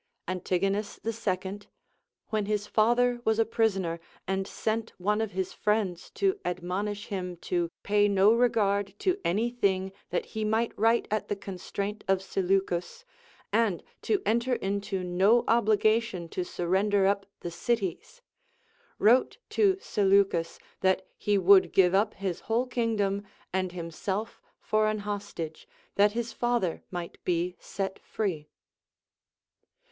Antigouus the Secoud — when his father was a prisoner, and sent one of his friends to admonish him to pay no regard to any thing that he might write at the constraint of Seleucus, and to enter into no obligation to surrender up the cities — wrote to Seleucus that he would give up his whole kingdom, and himself for an hostage, that his father might be set free.